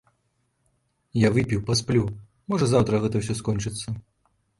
Я выпіў, пасплю, можа, заўтра гэта ўсё скончыцца.